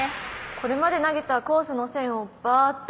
これまで投げたコースの線をバーッと作るんです。